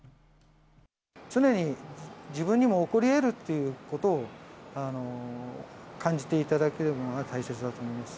常に自分にも起こり得るっていうことを、感じていただけるのが大切だと思います。